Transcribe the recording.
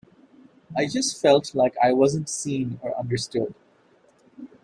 I just felt like I wasn't seen or understood.